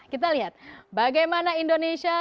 kita lihat bagaimana indonesia